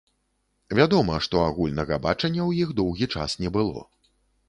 Вядома, што агульнага бачання ў іх доўгі час не было.